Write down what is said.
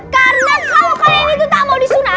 karena kalau kalian itu tak mau disunat